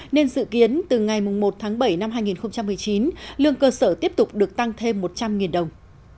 nên dự kiến từ ngày một tháng bảy năm hai nghìn một mươi chín lương cơ sở tiếp tục được tăng thêm một trăm linh đồng